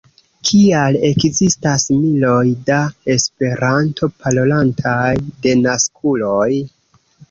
Kial ekzistas miloj da Esperanto-parolantaj denaskuloj?